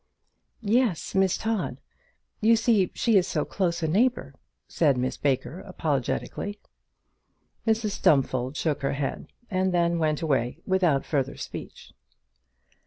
"Yes; Miss Todd. You see she is so close a neighbour," said Miss Baker, apologetically. Mrs Stumfold shook her head, and then went away without further speech.